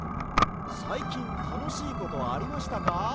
「さいきんたのしいことありましたか？」